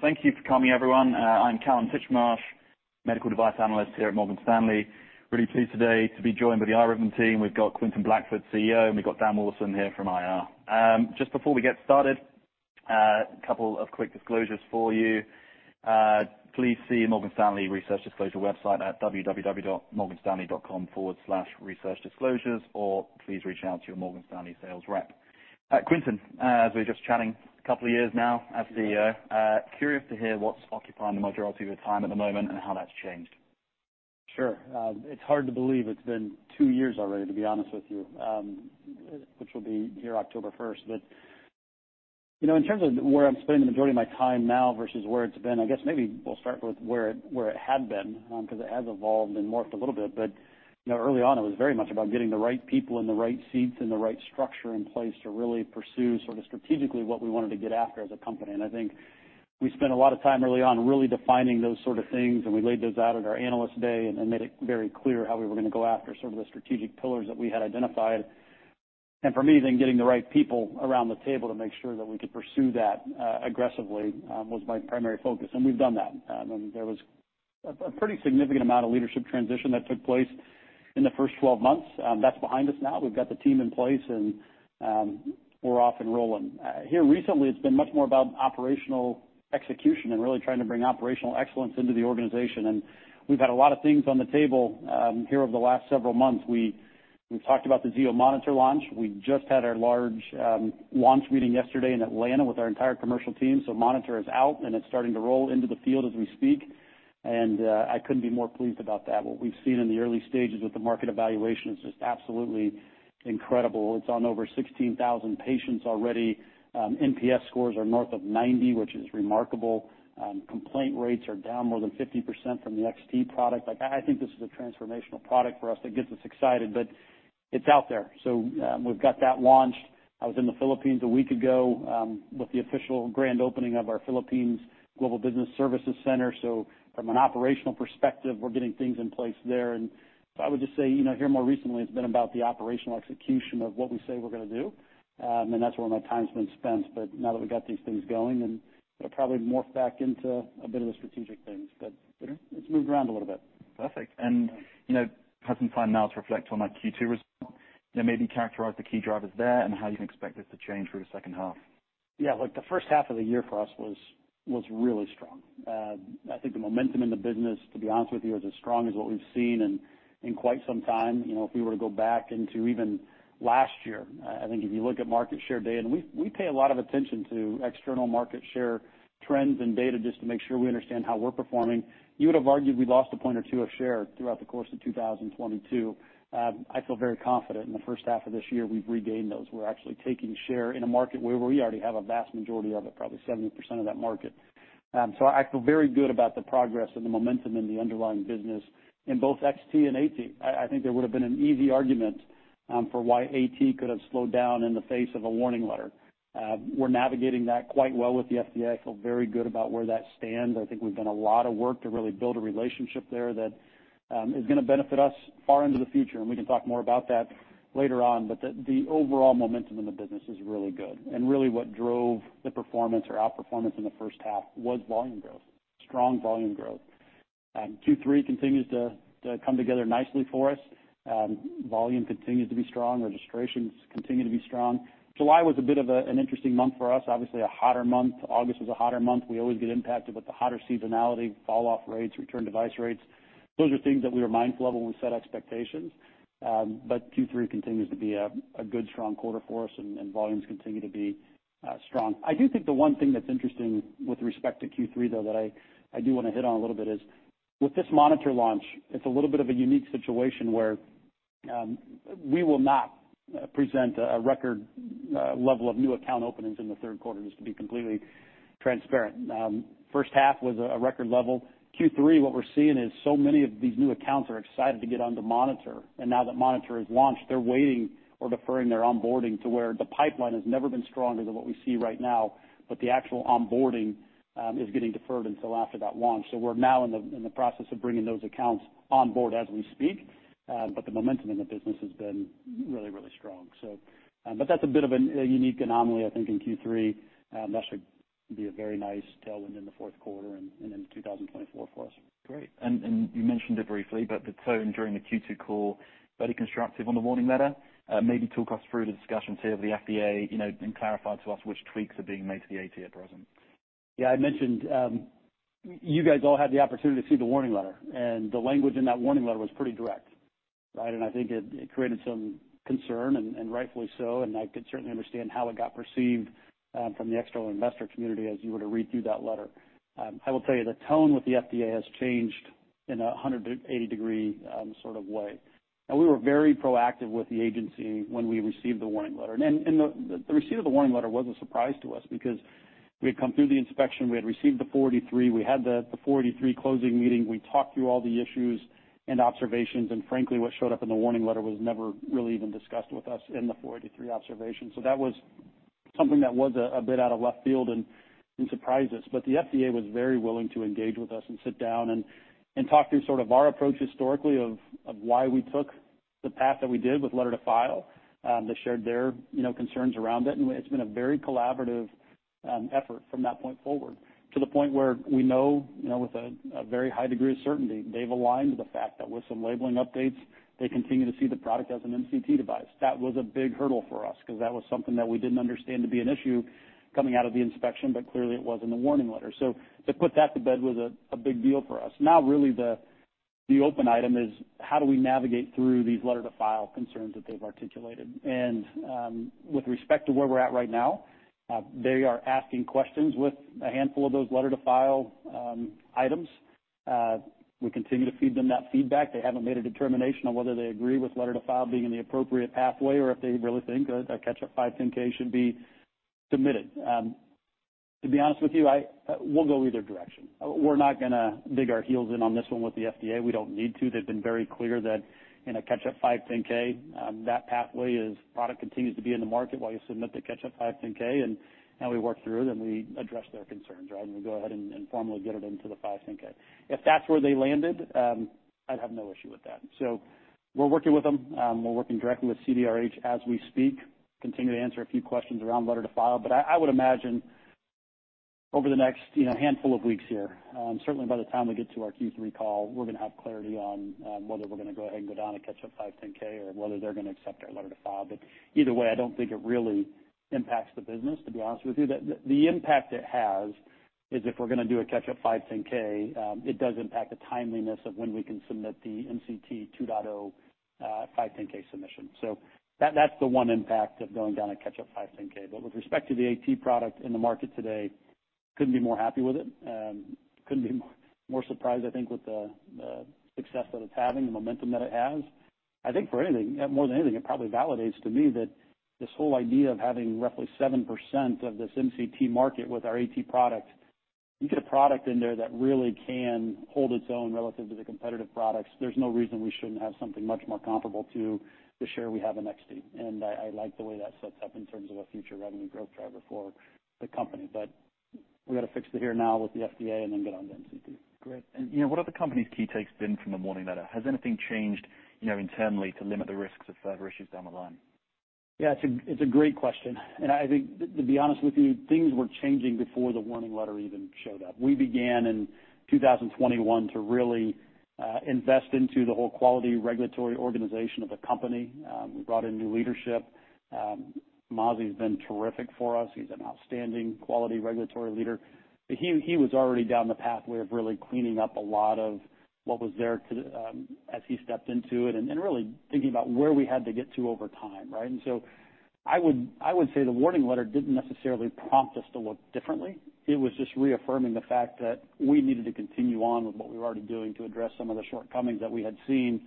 Thank you for coming, everyone. I'm Kallum Titchmarsh, Medical Device Analyst here at Morgan Stanley. Really pleased today to be joined by the iRhythm team. We've got Quentin Blackford, CEO, and we've got Dan Wilson here from IR. Just before we get started, a couple of quick disclosures for you. Please see Morgan Stanley Research Disclosure website at www.morganstanley.com/researchdisclosures, or please reach out to your Morgan Stanley sales rep. Quentin, as we were just chatting, a couple of years now as the CEO, curious to hear what's occupying the majority of your time at the moment and how that's changed. Sure. It's hard to believe it's been two years already, to be honest with you, which will be here October 1st. But, you know, in terms of where I'm spending the majority of my time now versus where it's been, I guess maybe we'll start with where it, where it had been, because it has evolved and morphed a little bit. But, you know, early on, it was very much about getting the right people in the right seats and the right structure in place to really pursue sort of strategically what we wanted to get after as a company. I think we spent a lot of time early on really defining those sort of things, and we laid those out at our Analyst Day and made it very clear how we were going to go after sort of the strategic pillars that we had identified. For me, then getting the right people around the table to make sure that we could pursue that aggressively was my primary focus, and we've done that. There was a pretty significant amount of leadership transition that took place in the first 12 months. That's behind us now. We've got the team in place, and we're off and rolling. Here recently, it's been much more about operational execution and really trying to bring operational excellence into the organization. We've had a lot of things on the table here over the last several months. We talked about the Zio Monitor launch. We just had our large launch meeting yesterday in Atlanta with our entire commercial team. Monitor is out, and it's starting to roll into the field as we speak, and I couldn't be more pleased about that. What we've seen in the early stages with the market evaluation is just absolutely incredible. It's on over 16,000 patients already. NPS scores are north of 90, which is remarkable. Complaint rates are down more than 50% from the XT product. Like, I think this is a transformational product for us that gets us excited, but it's out there. We've got that launched. I was in the Philippines a week ago, with the official grand opening of our Philippines Global Business Services Center. From an operational perspective, we're getting things in place there. I would just say, you know, here more recently, it's been about the operational execution of what we say we're going to do. That's where my time's been spent. But now that we've got these things going, then it'll probably morph back into a bit of the strategic things, but it's moved around a little bit. Perfect. You know, having some time now to reflect on that Q2 result, you know, maybe characterize the key drivers there and how you can expect this to change through the second half. Yeah. Look, the first half of the year for us was really strong. I think the momentum in the business, to be honest with you, is as strong as what we've seen in quite some time. You know, if we were to go back into even last year, I think if you look at market share data. We pay a lot of attention to external market share trends and data just to make sure we understand how we're performing. You would have argued we lost a point or two of share throughout the course of 2022. I feel very confident in the first half of this year, we've regained those. We're actually taking share in a market where we already have a vast majority of it, probably 70% of that market. I feel very good about the progress and the momentum in the underlying business in both XT and AT. I think there would've been an easy argument for why AT could have slowed down in the face of a Warning Letter. We're navigating that quite well with the FDA. I feel very good about where that stands. I think we've done a lot of work to really build a relationship there that is going to benefit us far into the future, and we can talk more about that later on. But the overall momentum in the business is really good. Really, what drove the performance or outperformance in the first half was volume growth, strong volume growth. Q3 continues to come together nicely for us. Volume continues to be strong. Registrations continue to be strong. July was a bit of an interesting month for us. Obviously, a hotter month. August was a hotter month. We always get impacted with the hotter seasonality, falloff rates, return device rates. Those are things that we are mindful of when we set expectations. But Q3 continues to be a good, strong quarter for us, and volumes continue to be strong. I do think the one thing that's interesting with respect to Q3, though, that I do want to hit on a little bit is, with this Monitor launch, it's a little bit of a unique situation where we will not present a record level of new account openings in the third quarter, just to be completely transparent. First half was a record level. Q3, what we're seeing is so many of these new accounts are excited to get onto Monitor, and now that Monitor is launched, they're waiting or deferring their onboarding to where the pipeline has never been stronger than what we see right now, but the actual onboarding is getting deferred until after that launch. We're now in the process of bringing those accounts on board as we speak, but the momentum in the business has been really, really strong. But that's a bit of a unique anomaly, I think, in Q3. That should be a very nice tailwind in the fourth quarter and in 2024 for us. Great. You mentioned it briefly, but the tone during the Q2 call, very constructive on the Warning Letter. Maybe talk us through the discussions here with the FDA, you know, and clarify to us which tweaks are being made to the AT at present. Yeah, I mentioned, you guys all had the opportunity to see the Warning Letter, and the language in that Warning Letter was pretty direct, right? I think it created some concern, and rightfully so, and I could certainly understand how it got perceived, from the external investor community as you were to read through that letter. I will tell you, the tone with the FDA has changed in a 180-degree sort of way. We were very proactive with the agency when we received the Warning Letter. The receipt of the Warning Letter was a surprise to us because we had come through the inspection, we had received the Form 483, we had the Form 483 closing meeting, we talked through all the issues and observations, and frankly, what showed up in the Warning Letter was never really even discussed with us in the Form 483 observation. That was something that was a bit out of left field and surprised us. But the FDA was very willing to engage with us and sit down and talk through sort of our approach historically of why we took the path that we did with Letter to File. They shared their, you know, concerns around it, and it's been a very collaborative effort from that point forward, to the point where we know, you know, with a very high degree of certainty, they've aligned with the fact that with some labeling updates, they continue to see the product as an MCT device. That was a big hurdle for us, 'cause that was something that we didn't understand to be an issue coming out of the inspection, but clearly it was in the Warning Letter. To put that to bed was a big deal for us. Now, really, the open item is how do we navigate through these Letter to File concerns that they've articulated? With respect to where we're at right now, they are asking questions with a handful of those Letter to File items. We continue to feed them that feedback. They haven't made a determination on whether they agree with Letter to File being the appropriate pathway, or if they really think a catch-up 510(k) should be submitted. To be honest with you, we'll go either direction. We're not gonna dig our heels in on this one with the FDA. We don't need to. They've been very clear that in a catch-up 510(k), that pathway is product continues to be in the market while you submit the catch-up 510(k), and we work through it, and we address their concerns, right? We go ahead and formally get it into the 510(k). If that's where they landed, I'd have no issue with that. We're working with them. We're working directly with CDRH as we speak, continue to answer a few questions around letter to file, but I would imagine over the next, you know, handful of weeks here, certainly by the time we get to our Q3 call, we're gonna have clarity on, whether we're gonna go ahead and go down a catch-up 510, or whether they're gonna accept our letter to file. But either way, I don't think it really impacts the business, to be honest with you. The impact it has is if we're gonna do a catch-up 510, it does impact the timeliness of when we can submit the MCT 2.0, 510 submission. That's the one impact of going down a catch-up 510. But with respect to the AT product in the market today, couldn't be more happy with it. Couldn't be more surprised, I think, with the success that it's having, the momentum that it has. I think for anything, more than anything, it probably validates to me that this whole idea of having roughly 7% of this MCT market with our AT product, you get a product in there that really can hold its own relative to the competitive products, there's no reason we shouldn't have something much more comparable to the share we have in XT. I like the way that sets up in terms of a future revenue growth driver for the company. But we gotta fix it here now with the FDA, and then get on to MCT. Great. You know, what have the company's key takes been from the warning letter? Has anything changed, you know, internally to limit the risks of further issues down the line? Yeah, it's a great question, and I think, to be honest with you, things were changing before the warning letter even showed up. We began in 2021 to really invest into the whole quality regulatory organization of the company. We brought in new leadership. Mazi's been terrific for us. He's an outstanding quality regulatory leader. But he was already down the pathway of really cleaning up a lot of what was there as he stepped into it, and really thinking about where we had to get to over time, right? I would say the warning letter didn't necessarily prompt us to look differently. It was just reaffirming the fact that we needed to continue on with what we were already doing to address some of the shortcomings that we had seen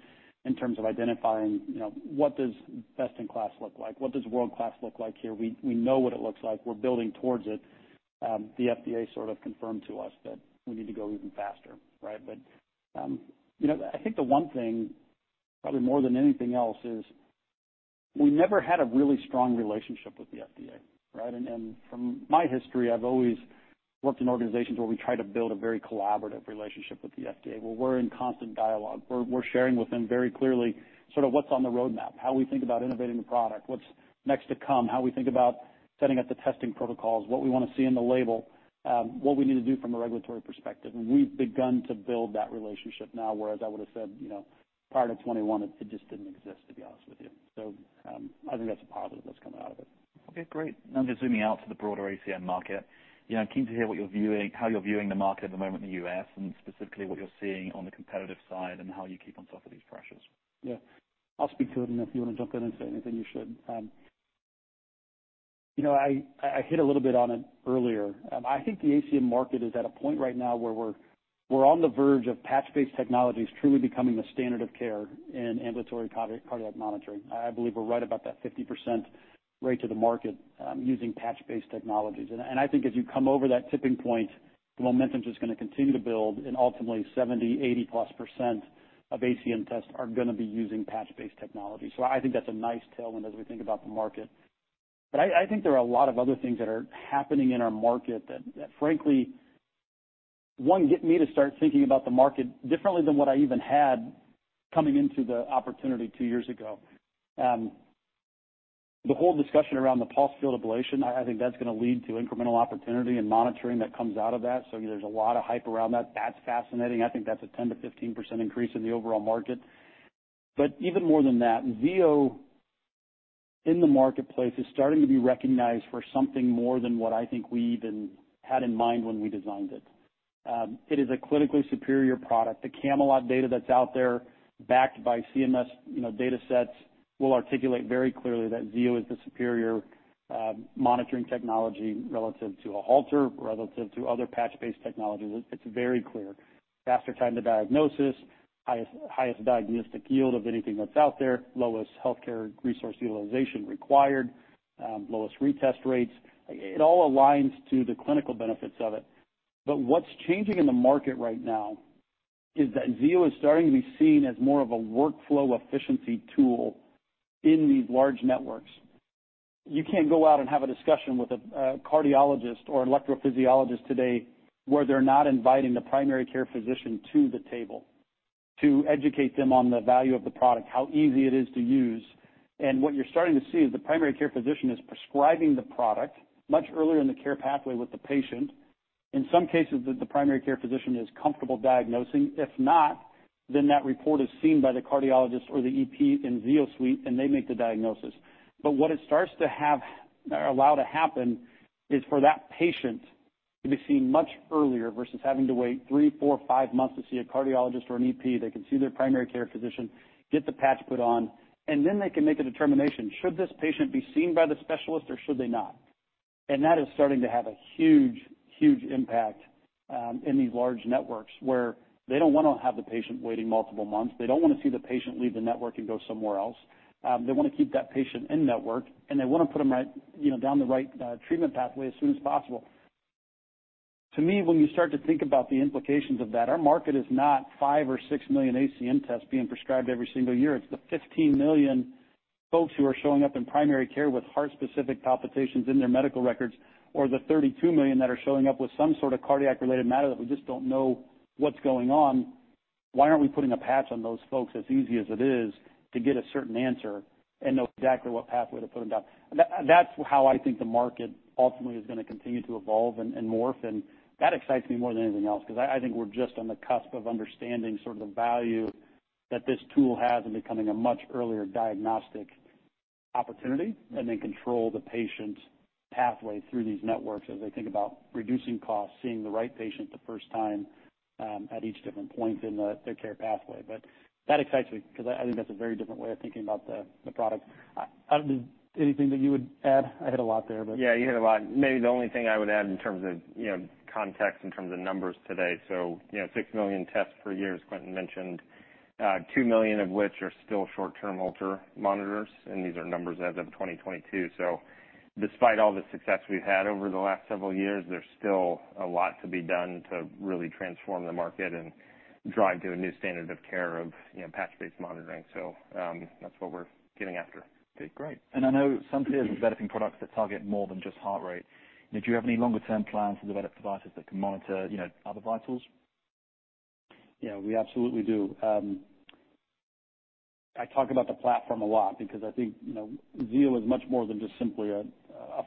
in terms of identifying, you know, what does best in class look like? What does world class look like here? We know what it looks like. We're building towards it. The FDA sort of confirmed to us that we need to go even faster, right? But, you know, I think the one thing, probably more than anything else, is we never had a really strong relationship with the FDA, right? From my history, I've always worked in organizations where we try to build a very collaborative relationship with the FDA, where we're in constant dialogue. We're sharing with them very clearly, sort of what's on the roadmap, how we think about innovating the product, what's next to come, how we think about setting up the testing protocols, what we want to see in the label, what we need to do from a regulatory perspective. We've begun to build that relationship now, whereas I would've said, you know, prior to 2021, it just didn't exist, to be honest with you. I think that's a positive that's coming out of it. Okay, great. Now just zooming out to the broader ACM market, you know, I'm keen to hear what you're viewing, how you're viewing the market at the moment in the U.S., and specifically what you're seeing on the competitive side and how you keep on top of these pressures? Yeah. I'll speak to it, and if you want to jump in and say anything, you should. You know, I hit a little bit on it earlier. I think the ACM market is at a point right now where we're on the verge of patch-based technologies truly becoming the standard of care in ambulatory cardiac monitoring. I believe we're right about that 50% rate to the market, using patch-based technologies. I think as you come over that tipping point, the momentum's just gonna continue to build, and ultimately 70%, 80+% of ACM tests are gonna be using patch-based technology. I think that's a nice tailwind as we think about the market. But I think there are a lot of other things that are happening in our market that frankly get me to start thinking about the market differently than what I even had coming into the opportunity two years ago. The whole discussion around the Pulsed Field Ablation, I think that's gonna lead to incremental opportunity and monitoring that comes out of that, so there's a lot of hype around that. That's fascinating. I think that's a 10%-15% increase in the overall market. But even more than that, Zio in the marketplace is starting to be recognized for something more than what I think we even had in mind when we designed it. It is a clinically superior product. The CAMELOT data that's out there, backed by CMS, you know, data sets, will articulate very clearly that Zio is the superior monitoring technology relative to a Holter, relative to other patch-based technologies. It's very clear. Faster time to diagnosis, highest diagnostic yield of anything that's out there, lowest healthcare resource utilization required, lowest retest rates. It all aligns to the clinical benefits of it. But what's changing in the market right now is that Zio is starting to be seen as more of a workflow efficiency tool in these large networks. You can't go out and have a discussion with a cardiologist or an electrophysiologist today, where they're not inviting the primary care physician to the table to educate them on the value of the product, how easy it is to use. What you're starting to see is the primary care physician is prescribing the product much earlier in the care pathway with the patient. In some cases, the primary care physician is comfortable diagnosing. If not, then that report is seen by the cardiologist or the EP in ZioSuite, and they make the diagnosis. But what it starts to have or allow to happen is for that patient to be seen much earlier versus having to wait three, four, five months to see a cardiologist or an EP. They can see their primary care physician, get the patch put on, and then they can make a determination, should this patient be seen by the specialist, or should they not? That is starting to have a huge, huge impact in these large networks, where they don't wanna have the patient waiting multiple months. They don't wanna see the patient leave the network and go somewhere else. They wanna keep that patient in-network, and they wanna put them right, you know, down the right treatment pathway as soon as possible. To me, when you start to think about the implications of that, our market is not 5 million or 6 million ACM tests being prescribed every single year. It's the 15 million folks who are showing up in primary care with heart-specific palpitations in their medical records, or the 32 million that are showing up with some sort of cardiac-related matter that we just don't know what's going on. Why aren't we putting a patch on those folks, as easy as it is, to get a certain answer and know exactly what pathway to put them down? That, that's how I think the market ultimately is gonna continue to evolve and, and morph, and that excites me more than anything else, 'cause I, I think we're just on the cusp of understanding sort of the value that this tool has in becoming a much earlier diagnostic opportunity, and then control the patient's pathway through these networks as they think about reducing costs, seeing the right patient the first time, at each different point in the, their care pathway. But that excites me because I, I think that's a very different way of thinking about the, the product. Anything that you would add? I hit a lot there, but- Yeah, you hit a lot. Maybe the only thing I would add in terms of, you know, context, in terms of numbers today, so, you know, 6 million tests per year, as Quentin mentioned, two million of which are still short-term Holter monitors, and these are numbers as of 2022. So despite all the success we've had over the last several years, there's still a lot to be done to really transform the market and drive to a new standard of care of, you know, patch-based monitoring. That's what we're getting after. Okay, great. I know BioIntelliSense is developing products that target more than just heart rate. Do you have any longer-term plans to develop devices that can monitor, you know, other vitals? Yeah, we absolutely do. I talk about the platform a lot because I think, you know, Zio is much more than just simply a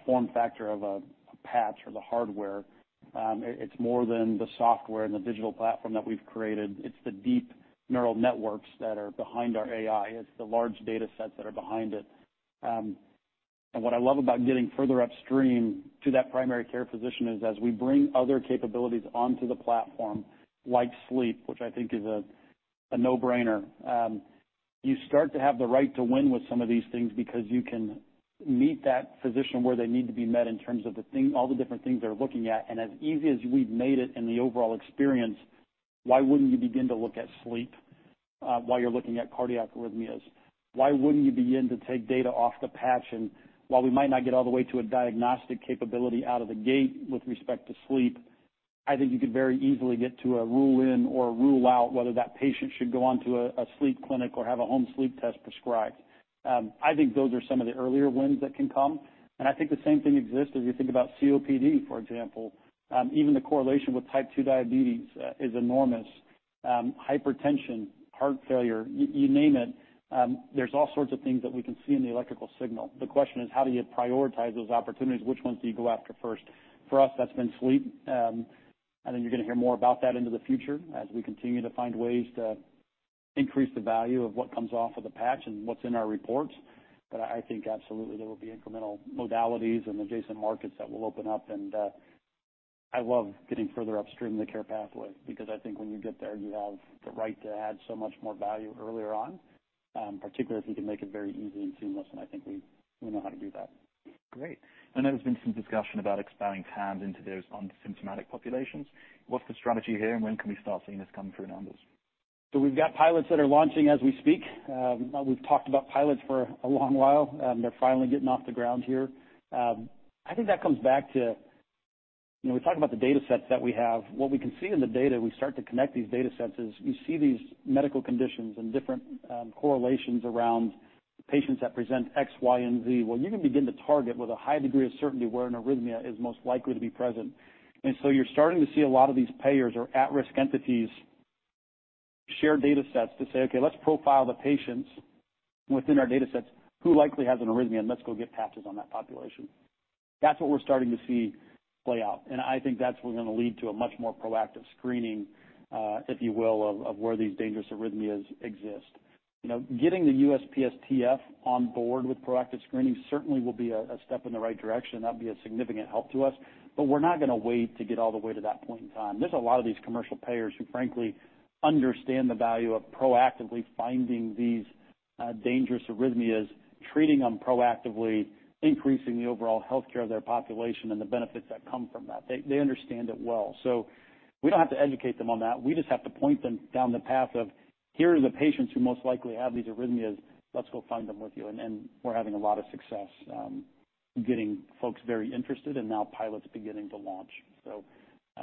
form factor of a patch or the hardware. It's more than the software and the digital platform that we've created. It's the deep neural networks that are behind our AI. It's the large data sets that are behind it. What I love about getting further upstream to that primary care physician is as we bring other capabilities onto the platform, like sleep, which I think is a no-brainer, you start to have the right to win with some of these things because you can meet that physician where they need to be met in terms of all the different things they're looking at. As easy as we've made it in the overall experience, why wouldn't you begin to look at sleep while you're looking at cardiac arrhythmias? Why wouldn't you begin to take data off the patch? While we might not get all the way to a diagnostic capability out of the gate with respect to sleep, I think you could very easily get to a rule in or rule out whether that patient should go on to a sleep clinic or have a home sleep test prescribed. I think those are some of the earlier wins that can come, and I think the same thing exists as you think about COPD, for example. Even the correlation with type 2 diabetes is enormous. Hypertension, heart failure, you name it, there's all sorts of things that we can see in the electrical signal. The question is, how do you prioritize those opportunities? Which ones do you go after first? For us, that's been sleep. I think you're gonna hear more about that into the future as we continue to find ways to increase the value of what comes off of the patch and what's in our reports. But I think absolutely there will be incremental modalities and adjacent markets that will open up, and I love getting further upstream in the care pathway, because I think when you get there, you have the right to add so much more value earlier on, particularly if you can make it very easy and seamless, and I think we know how to do that. Great. I know there's been some discussion about expanding TAM into those asymptomatic populations. What's the strategy here, and when can we start seeing this come through in numbers? We've got pilots that are launching as we speak. We've talked about pilots for a long while. They're finally getting off the ground here. I think that comes back to... You know, we talk about the data sets that we have. What we can see in the data, we start to connect these data sets, is you see these medical conditions and different, correlations around patients that present X, Y, and Z. Well, you can begin to target, with a high degree of certainty, where an arrhythmia is most likely to be present. You're starting to see a lot of these payers or at-risk entities share data sets to say, "Okay, let's profile the patients within our data sets who likely has an arrhythmia, and let's go get patches on that population." That's what we're starting to see play out, and I think that's what's gonna lead to a much more proactive screening, if you will, of where these dangerous arrhythmias exist. You know, getting the USPSTF on board with proactive screening certainly will be a step in the right direction. That'd be a significant help to us, but we're not gonna wait to get all the way to that point in time. There's a lot of these commercial payers who, frankly, understand the value of proactively finding these, dangerous arrhythmias, treating them proactively, increasing the overall healthcare of their population, and the benefits that come from that. They, they understand it well. We don't have to educate them on that. We just have to point them down the path of: Here are the patients who most likely have these arrhythmias. Let's go find them with you. We're having a lot of success, getting folks very interested, and now pilots beginning to launch.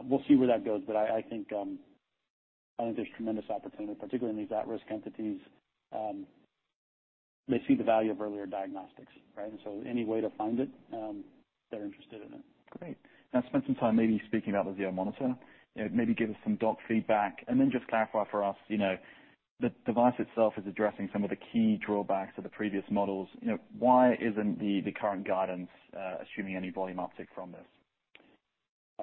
We'll see where that goes, but I, I think, I think there's tremendous opportunity, particularly in these at-risk entities, they see the value of earlier diagnostics, right? Any way to find it, they're interested in it. Great. Now spend some time maybe speaking about the Zio monitor. You know, maybe give us some doc feedback and then just clarify for us, you know, the device itself is addressing some of the key drawbacks of the previous models. You know, why isn't the current guidance assuming any volume uptick from this?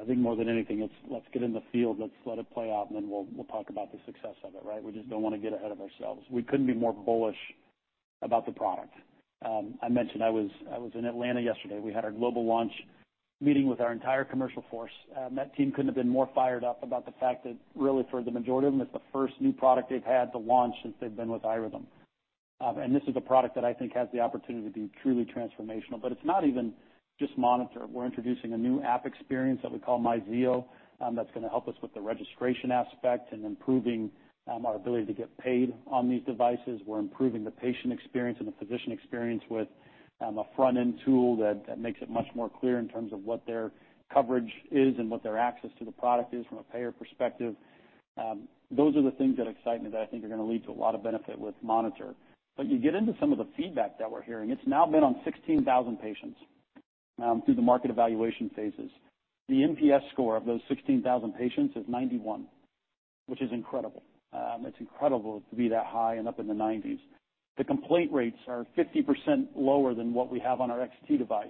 I think more than anything, it's let's get in the field, let's let it play out, and then we'll, we'll talk about the success of it, right? We just don't want to get ahead of ourselves. We couldn't be more bullish about the product. I mentioned I was, I was in Atlanta yesterday. We had our global launch meeting with our entire commercial force. That team couldn't have been more fired up about the fact that really, for the majority of them, it's the first new product they've had to launch since they've been with iRhythm. This is a product that I think has the opportunity to be truly transformational. But it's not even just monitor, we're introducing a new app experience that we call MyZio, that's gonna help us with the registration aspect and improving our ability to get paid on these devices. We're improving the patient experience and the physician experience with a front-end tool that makes it much more clear in terms of what their coverage is and what their access to the product is from a payer perspective. Those are the things that excite me that I think are gonna lead to a lot of benefit with monitor. But you get into some of the feedback that we're hearing, it's now been on 16,000 patients through the market evaluation phases. The NPS score of those 16,000 patients is 91, which is incredible. It's incredible to be that high and up in the 90s. The complaint rates are 50% lower than what we have on our XT device,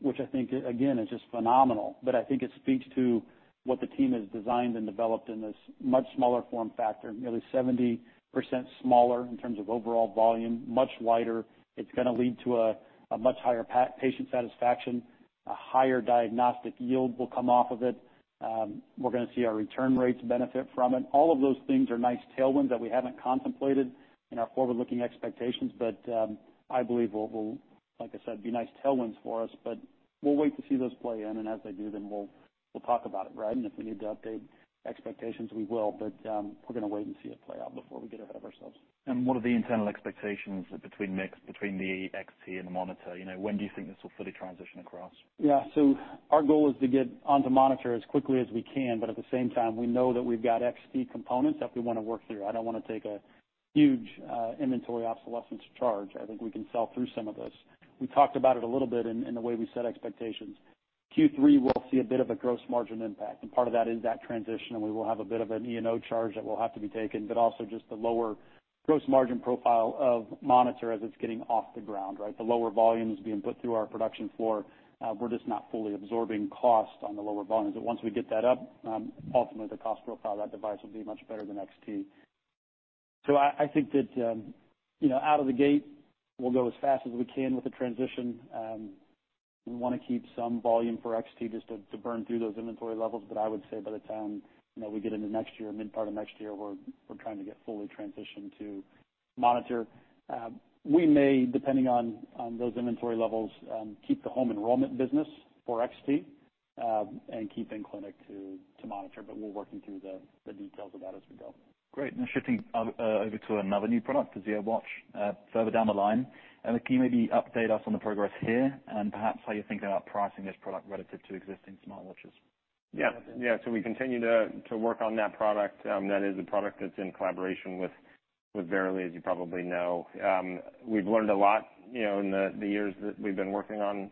which I think, again, is just phenomenal. But I think it speaks to what the team has designed and developed in this much smaller form factor, nearly 70% smaller in terms of overall volume, much lighter. It's gonna lead to a much higher patient satisfaction, a higher diagnostic yield will come off of it. We're gonna see our return rates benefit from it. All of those things are nice tailwinds that we haven't contemplated in our forward-looking expectations, but I believe will, like I said, be nice tailwinds for us, but we'll wait to see those play in, and as they do, then we'll talk about it, right? If we need to update expectations, we will, but we're gonna wait and see it play out before we get ahead of ourselves. What are the internal expectations between mix, between the XT and the monitor? You know, when do you think this will fully transition across? Yeah. So our goal is to get onto monitor as quickly as we can, but at the same time, we know that we've got XT components that we wanna work through. I don't wanna take a huge inventory obsolescence charge. I think we can sell through some of this. We talked about it a little bit in the way we set expectations. Q3 will see a bit of a gross margin impact, and part of that is that transition, and we will have a bit of an E&O charge that will have to be taken, but also just the lower gross margin profile of monitor as it's getting off the ground, right? The lower volumes being put through our production floor, we're just not fully absorbing cost on the lower volumes, but once we get that up, ultimately, the cost profile of that device will be much better than XT. So I think that, you know, out of the gate we'll go as fast as we can with the transition. We wanna keep some volume for XT just to burn through those inventory levels. But I would say by the time, you know, we get into next year, mid part of next year, we're trying to get fully transitioned to monitor. We may, depending on those inventory levels, keep the home enrollment business for XT, and keep in clinic to monitor, but we're working through the details of that as we go. Great. Now shifting over to another new product, the Zio watch. Further down the line, can you maybe update us on the progress here and perhaps how you're thinking about pricing this product relative to existing smartwatches? Yeah, yeah. So we continue to work on that product. That is a product that's in collaboration with Verily, as you probably know. We've learned a lot, you know, in the years that we've been working on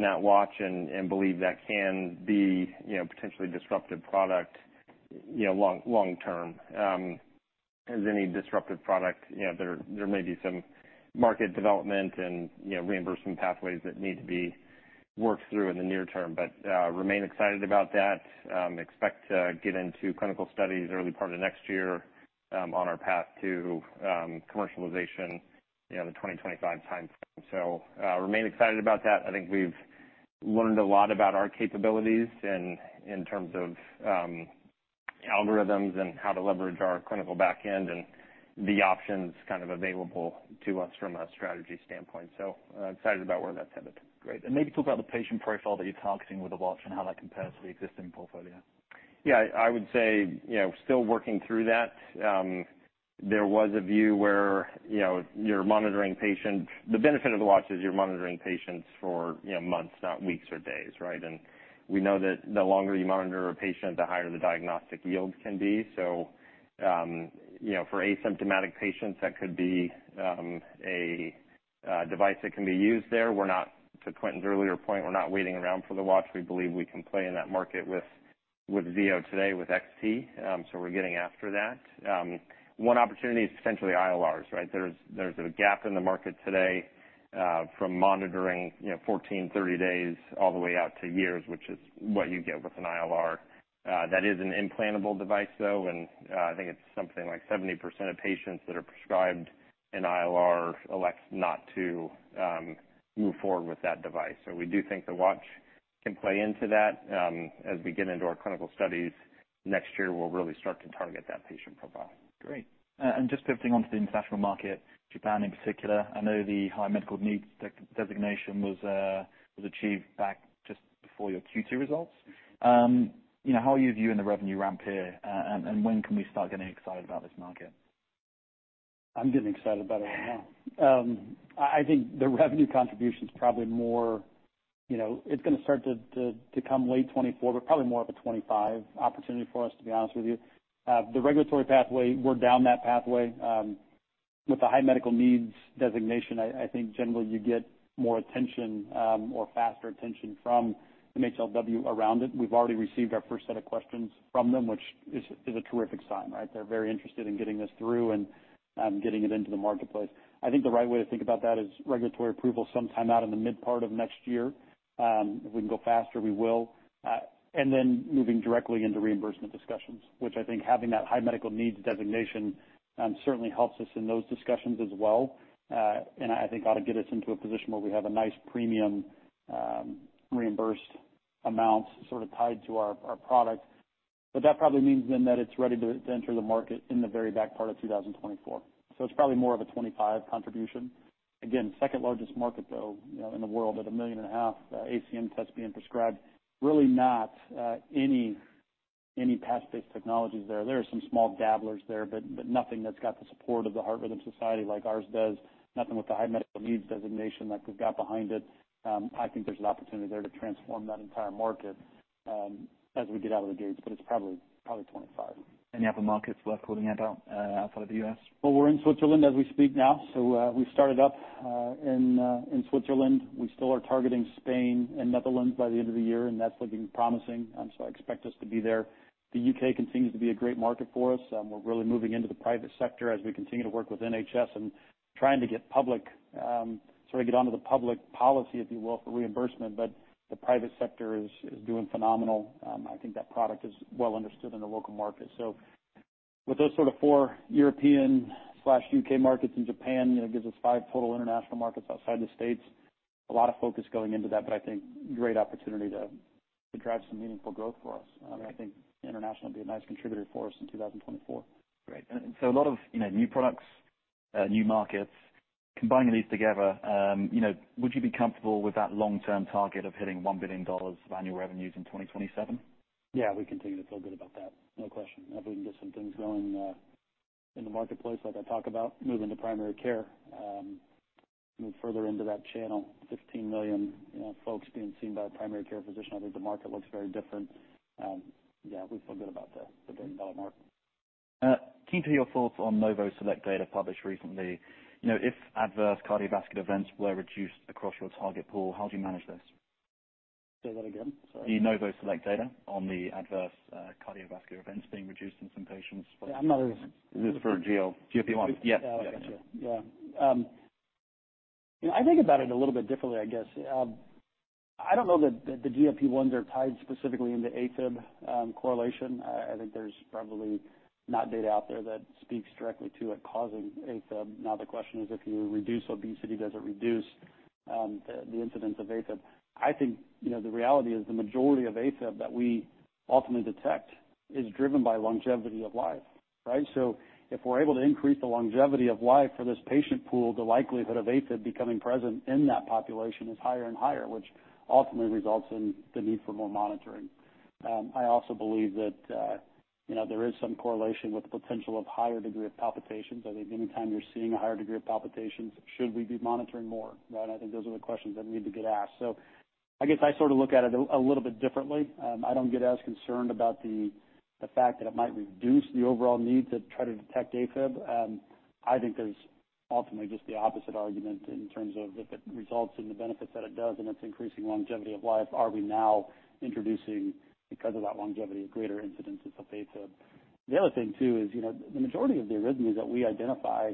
that watch and believe that can be, you know, potentially disruptive product, you know, long term. As any disruptive product, you know, there may be some market development and, you know, reimbursement pathways that need to be worked through in the near term, but remain excited about that. Expect to get into clinical studies early part of next year, on our path to commercialization, you know, the 2025 timeframe. So remain excited about that. I think we've learned a lot about our capabilities in terms of algorithms and how to leverage our clinical back end and the options kind of available to us from a strategy standpoint. So, excited about where that's headed. Great. Maybe talk about the patient profile that you're targeting with the watch and how that compares to the existing portfolio. Yeah, I would say, you know, still working through that. There was a view where, you know, you're monitoring patients... The benefit of the watch is you're monitoring patients for, you know, months, not weeks or days, right? We know that the longer you monitor a patient, the higher the diagnostic yield can be. So, you know, for asymptomatic patients, that could be a device that can be used there. We're not, to Quentin's earlier point, we're not waiting around for the watch. We believe we can play in that market with Zio today, with XT. So we're getting after that. One opportunity is potentially ILRs, right? There's a gap in the market today from monitoring, you know, 14-30 days, all the way out to years, which is what you get with an ILR. That is an implantable device, though, and I think it's something like 70% of patients that are prescribed an ILR elect not to move forward with that device. So we do think the watch can play into that. As we get into our clinical studies next year, we'll really start to target that patient profile. Great. Just pivoting onto the international market, Japan in particular, I know the high medical needs designation was achieved back just before your Q2 results. You know, how are you viewing the revenue ramp here? When can we start getting excited about this market?... I'm getting excited about it right now. I think the revenue contribution's probably more, you know, it's gonna start to come late 2024, but probably more of a 2025 opportunity for us, to be honest with you. The regulatory pathway, we're down that pathway. With the high medical needs designation, I think generally you get more attention, or faster attention from MHLW around it. We've already received our first set of questions from them, which is a terrific sign, right? They're very interested in getting this through and getting it into the marketplace. I think the right way to think about that is regulatory approval sometime out in the mid part of next year. If we can go faster, we will. Moving directly into reimbursement discussions, which I think having that high medical needs designation certainly helps us in those discussions as well. I think ought to get us into a position where we have a nice premium, reimbursed amounts sort of tied to our product. But that probably means then that it's ready to enter the market in the very back part of 2024. So it's probably more of a 2025 contribution. Again, second largest market, though, you know, in the world, at 1.5 million ACM tests being prescribed. Really not any past-based technologies there. There are some small dabblers there, but nothing that's got the support of the Heart Rhythm Society like ours does, nothing with the high medical needs designation like we've got behind it. I think there's an opportunity there to transform that entire market, as we get out of the gates, but it's probably 2025. Any other markets worth calling out, outside of the U.S.? Well, we're in Switzerland as we speak now, so we've started up in Switzerland. We still are targeting Spain and Netherlands by the end of the year, and that's looking promising, so I expect us to be there. The UK continues to be a great market for us. We're really moving into the private sector as we continue to work with NHS and trying to get public, sort of get onto the public policy, if you will, for reimbursement. But the private sector is doing phenomenal. I think that product is well understood in the local market. So with those sort of four European/U.K. markets and Japan, you know, gives us five total international markets outside the States. A lot of focus going into that, but I think great opportunity to drive some meaningful growth for us. I think international will be a nice contributor for us in 2024. Great. A lot of, you know, new products, new markets. Combining these together, you know, would you be comfortable with that long-term target of hitting $1 billion of annual revenues in 2027? Yeah, we continue to feel good about that. No question. If we can get some things going, in the marketplace, like I talk about, moving to primary care, move further into that channel, 15 million, you know, folks being seen by a primary care physician, I think the market looks very different. Yeah, we feel good about the billion-dollar mark. Keen to hear your thoughts on Novo Nordisk SELECT data published recently. You know, if adverse cardiovascular events were reduced across your target pool, how do you manage this? Say that again, sorry. The Novo Select data on the adverse, cardiovascular events being reduced in some patients- Yeah, I'm not. This is for GLP-1. Yes. Oh, I got you. Yeah. You know, I think about it a little bit differently, I guess. I don't know that the GLP-1s are tied specifically into AFib correlation. I think there's probably not data out there that speaks directly to it causing AFib. Now, the question is, if you reduce obesity, does it reduce the incidence of AFib? I think, you know, the reality is, the majority of AFib that we ultimately detect is driven by longevity of life, right? So if we're able to increase the longevity of life for this patient pool, the likelihood of AFib becoming present in that population is higher and higher, which ultimately results in the need for more monitoring. I also believe that, you know, there is some correlation with the potential of higher degree of palpitations. I think anytime you're seeing a higher degree of palpitations, should we be monitoring more, right? I think those are the questions that need to get asked. So I guess I sort of look at it a little bit differently. I don't get as concerned about the fact that it might reduce the overall need to try to detect AFib. I think there's ultimately just the opposite argument in terms of if it results in the benefits that it does, and it's increasing longevity of life, are we now introducing, because of that longevity, greater incidences of AFib? The other thing, too, is, you know, the majority of the arrhythmias that we identify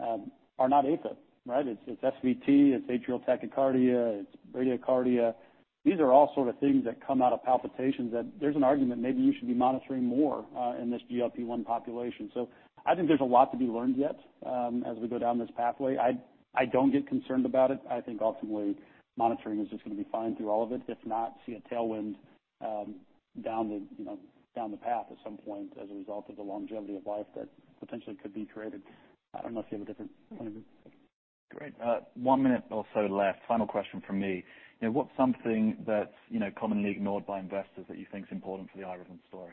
are not AFib, right? It's SVT, it's atrial tachycardia, it's bradycardia. These are all sort of things that come out of palpitations that there's an argument maybe you should be monitoring more in this GLP-1 population. So I think there's a lot to be learned yet as we go down this pathway. I don't get concerned about it. I think ultimately, monitoring is just gonna be fine through all of it, if not, see a tailwind down the, you know, down the path at some point as a result of the longevity of life that potentially could be created. I don't know if you have a different point of view. Great. One minute or so left. Final question from me. You know, what's something that's, you know, commonly ignored by investors that you think is important for the iRhythm story?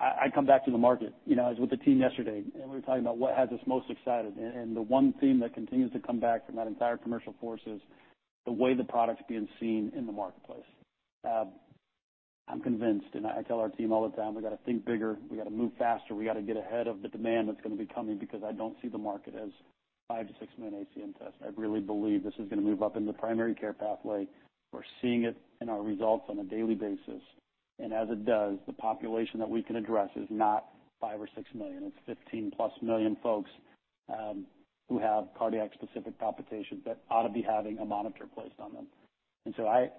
I come back to the market. You know, I was with the team yesterday, and we were talking about what has us most excited, and the one theme that continues to come back from that entire commercial force is the way the product's being seen in the marketplace. I'm convinced, and I tell our team all the time, "We gotta think bigger, we gotta move faster, we gotta get ahead of the demand that's gonna be coming," because I don't see the market as 5 million-6 million ACM tests. I really believe this is gonna move up in the primary care pathway. We're seeing it in our results on a daily basis, and as it does, the population that we can address is not 5 million or 6 million. It's 15+ million folks who have cardiac-specific palpitations that ought to be having a monitor placed on them.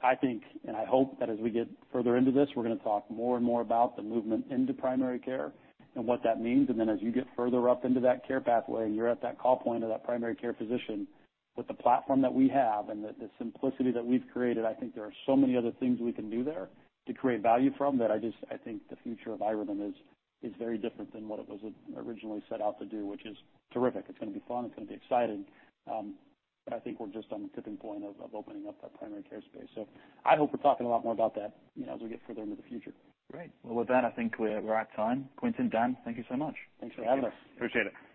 I think, and I hope, that as we get further into this, we're gonna talk more and more about the movement into primary care and what that means, and then as you get further up into that care pathway, and you're at that call point of that primary care physician, with the platform that we have and the, the simplicity that we've created, I think there are so many other things we can do there to create value from that I just... I think the future of iRhythm is, is very different than what it was originally set out to do, which is terrific. It's gonna be fun. It's gonna be exciting. But I think we're just on the tipping point of opening up that primary care space, so I hope we're talking a lot more about that, you know, as we get further into the future. Great. Well, with that, I think we're out of time. Quentin, Dan, thank you so much. Thanks for having us. Appreciate it.